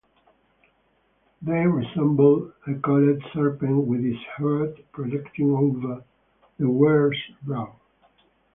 They resemble a coiled serpent with its head projecting over the wearer's brow.